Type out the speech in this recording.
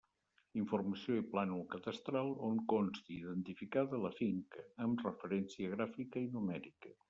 Informació i plànol cadastral on consti identificada la finca amb referència gràfica i numèrica.